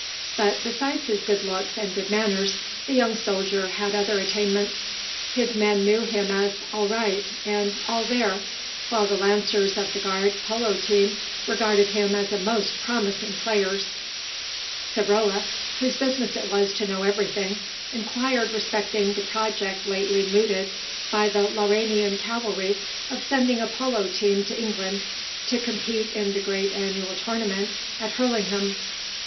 But besides his good looks and good manners, the young soldier had other attainments; his men knew him as "all right" and "all there," while the Lancers of the Guard polo team regarded him as a most promising player. Savrola, whose business it was to know everything, inquired respecting the project lately mooted by the Lauranian Cavalry of sending a polo team to England to compete in the great annual tournament at Hurlingham.